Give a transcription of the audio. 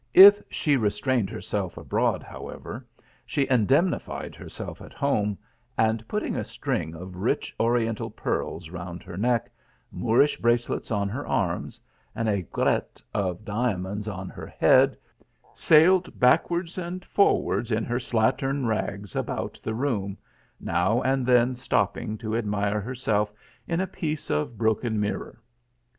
If she restrained herself abroad, however, she indemnified herself at home, and, putting a string of rich oriental pearls round her neck, Moorisn bracelets on her arms ; an aigrette of diamonds on her head, sailed backwards and forwards in her slattern rags about the room, now and then stopping to admire herself in a piece of broken mirror.